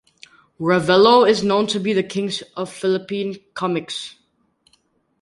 Ravelo is known to be the King of Philippine Komiks.